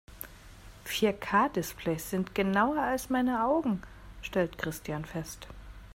Vier-K-Displays sind genauer als meine Augen, stellt Christian fest.